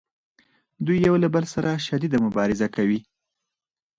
دوی یو له بل سره شدیده مبارزه کوي